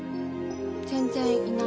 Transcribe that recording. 全然いない。